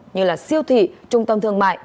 như siêu thị trung tâm thương mại